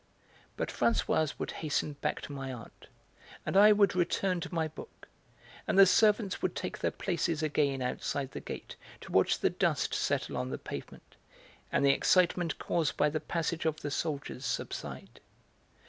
But Françoise would hasten back to my aunt, and I would return to my book, and the servants would take their places again outside the gate to watch the dust settle on the pavement, and the excitement caused by the passage of the soldiers subside.